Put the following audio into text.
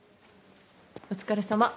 お疲れさま。